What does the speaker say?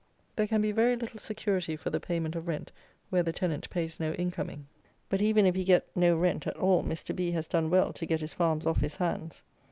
There can be very little security for the payment of rent where the tenant pays no in coming; but even if he get no rent at all, Mr. B has done well to get his farms off his hands.